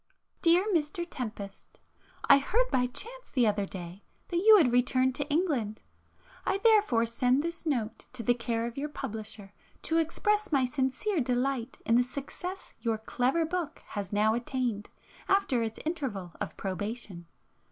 Dear Mr Tempest, I heard by chance the other day that you had returned to England. I therefore send this note to the care of your publisher to express my sincere delight in the success your clever book has now attained after its interval of probation.